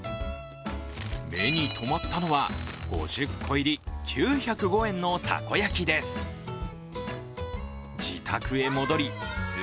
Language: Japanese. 目にとまったのは５０個入り９０５円のたこ焼です。